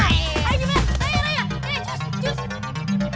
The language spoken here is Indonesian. mampus ya mampus